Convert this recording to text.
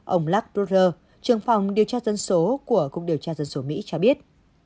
ông lack bruder trường phòng điều tra dân số của cục điều tra dân số mỹ cho biết